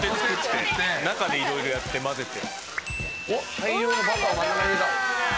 大量のバターを真ん中に入れた。